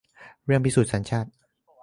เรื่องพิสูจน์สัญชาติ